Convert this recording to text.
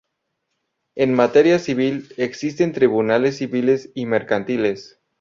En materia civil, existen tribunales civiles y mercantiles.